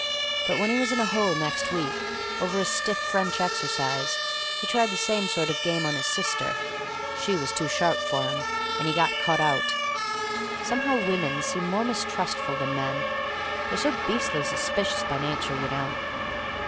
But when he was in a hole next week, over a stiff French exercise, and tried the same sort of game on his sister, she was too sharp for him, and he got caught out. Somehow women seem more mistrustful than men. They're so beastly suspicious by nature, you know."